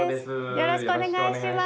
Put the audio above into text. よろしくお願いします。